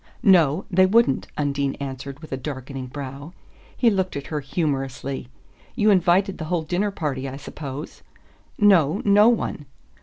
"No; they wouldn't," Undine answered with a darkening brow. He looked at her humorously. "You invited the whole dinner party, I suppose?" "No no one."